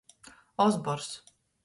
Ozbors.